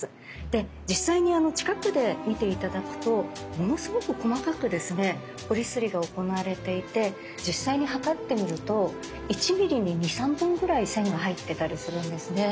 で実際に近くで見て頂くとものすごく細かくですね彫り摺りが行われていて実際に測ってみると１ミリに２３本ぐらい線が入ってたりするんですね。